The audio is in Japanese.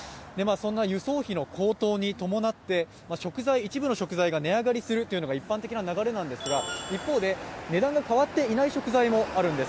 輸送費の高騰に伴って一部の食材が値上がりするというのが一般的な流れなんですが一方で値段が変わっていない食材もあるんです。